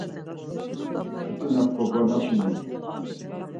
Mtutina kogvanaşinu.